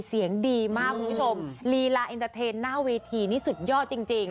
เสียงดีมากคุณผู้ชมลีลาอินเทรนหน้าเวทีนี่สุดยอดจริงจริง